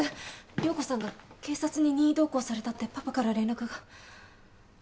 涼子さんが警察に任意同行されたってパパから連絡が。